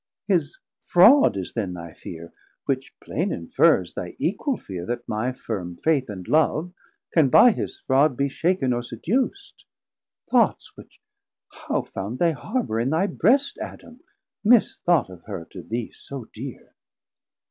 His fraud is then thy fear, which plain inferrs Thy equal fear that my firm Faith and Love Can by his fraud be shak'n or seduc't; Thoughts, which how found they harbour in thy Brest, Adam, misthought of her to thee so dear?